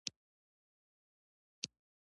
پاچا ډېر تعجب وکړ.